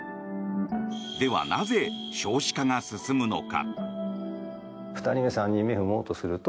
では、なぜ、少子化が進むのか。